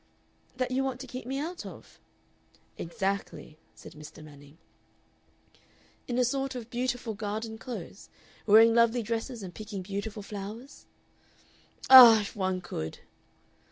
"That you want to keep me out of?" "Exactly!" said Mr. Manning. "In a sort of beautiful garden close wearing lovely dresses and picking beautiful flowers?" "Ah! If one could!"